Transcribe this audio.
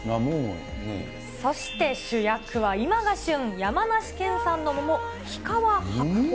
そして主役は今が旬、山梨県産の桃、日川白鳳。